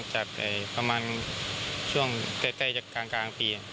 จากประมาณช่วงใกล้จะกลางปี